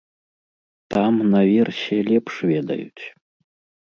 Там, наверсе, лепш ведаюць.